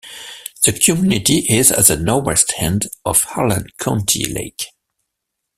The community is at the northwest end of Harlan County Lake.